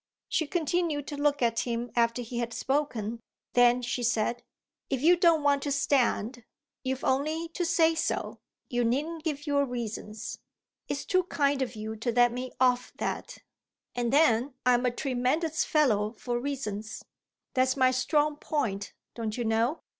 She continued to look at him after he had spoken, then she said: "If you don't want to stand you've only to say so. You needn't give your reasons." "It's too kind of you to let me off that! And then I'm a tremendous fellow for reasons; that's my strong point, don't you know?